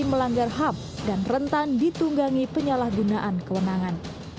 melanggar ham dan rentan ditunggangi penyalahgunaan kewenangan